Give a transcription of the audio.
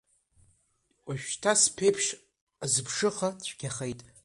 Уажәшьҭа сԥеиԥш азыԥшыха, цәгьахеит…